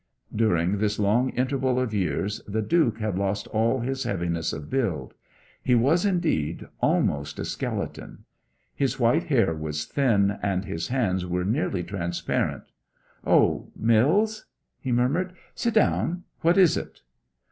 During this long interval of years the Duke had lost all his heaviness of build. He was, indeed, almost a skeleton; his white hair was thin, and his hands were nearly transparent. 'Oh Mills?' he murmured. 'Sit down. What is it?'